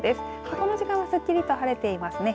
この時間はすっきりと晴れていますね。